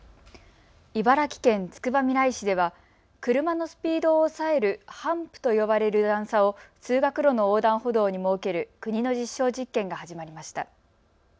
茨城県つくばみらい市では車のスピードを抑えるハンプと呼ばれる段差を通学路の横断歩道に設ける国の実証実験が始まりました。